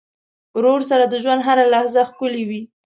ورور سره د ژوند هره لحظه ښکلي وي.